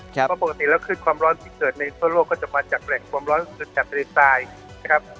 เพราะปกติแล้วขึ้นความร้อนที่เกิดในทั่วโลกก็จะมาจากแหล่งความร้อนจากทะเลทรายนะครับ